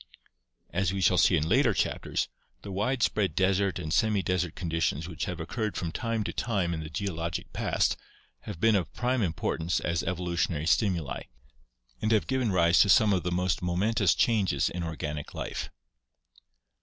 As we shall see in later chapters, the widespread desert and semi desert conditions which have occurred from time to time in 406 ORGANIC EVOLUTION the geologic past have been of prime importance as evolutionary stimuli, and have given rise to some of the most momentous changes in organic life.